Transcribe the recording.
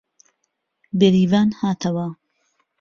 بێریڤان هاتەوە